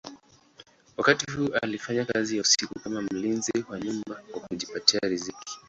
Wakati huu alifanya kazi ya usiku kama mlinzi wa nyumba kwa kujipatia riziki.